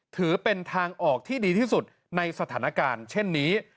ถือเป็นทางออกที่ดีที่สุดในสถานการณ์เช่นนี้